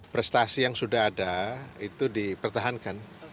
prestasi yang sudah ada itu dipertahankan